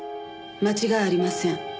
間違いありません。